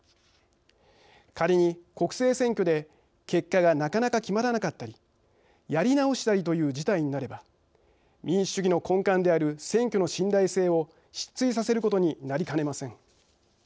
仮に、国政選挙で結果がなかなか決まらなかったりやり直したりという事態になれば民主主義の根幹である選挙の信頼性を失墜させることになりかねません。